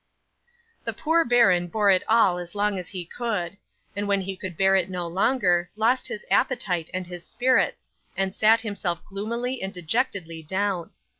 'The poor baron bore it all as long as he could, and when he could bear it no longer lost his appetite and his spirits, and sat himself gloomily and dejectedly down.